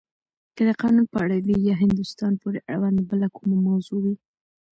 که د قانون په اړه وی یا هندوستان پورې اړونده بله کومه موضوع وی.